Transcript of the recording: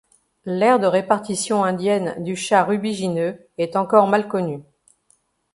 L'aire de répartition indienne du chat rubigineux est encore mal connue.